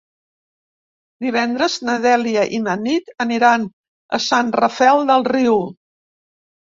Divendres na Dèlia i na Nit aniran a Sant Rafel del Riu.